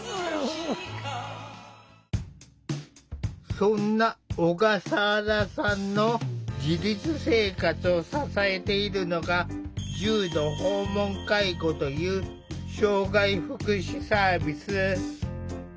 そんな小笠原さんの自立生活を支えているのが重度訪問介護という障害福祉サービス。